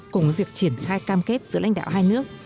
cùng với việc triển khai cam kết giữa lãnh đạo hai nước